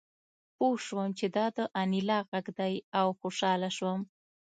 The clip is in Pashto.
پوه شوم چې دا د انیلا غږ دی او خوشحاله شوم